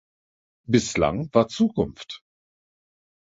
Bislang war Zukunft.